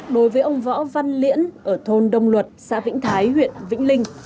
đối với ông võ văn liễn ở thôn đông luật xã vĩnh thái huyện vĩnh linh